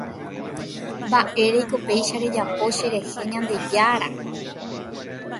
Mba'éreiko péicha rejapo cherehe Ñandejára